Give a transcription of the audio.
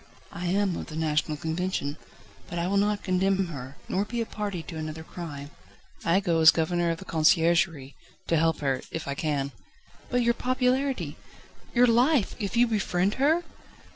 "I am of the National Convention. But I will not condemn her, nor be a party to another crime. I go as Governor of the Conciergerie, to help her, if I can." "But your popularity your life if you befriend her?"